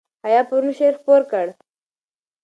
حیا پرون شعر خپور کړ.